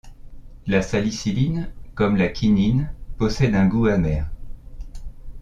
La salicyline, comme la quinine possède un goût amer.